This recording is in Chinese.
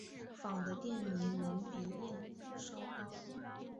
钫的电离能比铯稍高。